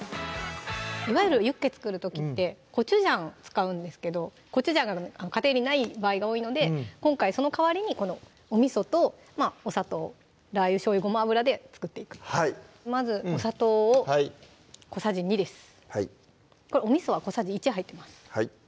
いわゆるユッケ作る時ってコチュジャン使うんですけどコチュジャンが家庭にない場合が多いので今回その代わりにこのおみそとお砂糖ラー油・しょうゆ・ごま油で作っていくまずお砂糖を小さじ２ですはいおみそは小さじ１入ってます